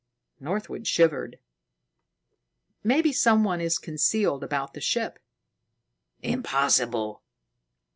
Northwood shivered. "Maybe someone is concealed about the ship." "Impossible.